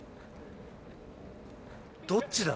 どっちだ？